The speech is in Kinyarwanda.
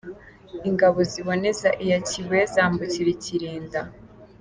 Ingabo ziboneza iya Kibuye, zambukira i Kilinda.